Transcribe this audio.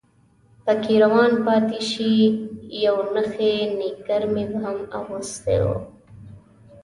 پکې روان پاتې شي، یو نخی نیکر مې هم اغوستی و.